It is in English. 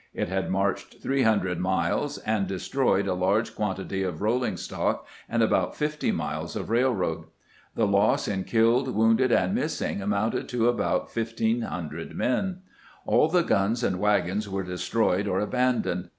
It had marched three hundred miles, and destroyed a large quantity of rolling stock and about fifty miles of railroad. The loss in killed, wounded, and missing amounted to about 1500 men. All the guns and wagons were destroyed or abandoned.